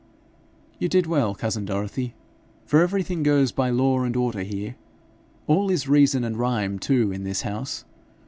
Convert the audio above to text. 'You did well, cousin Dorothy; for everything goes by law and order here. All is reason and rhyme too in this house.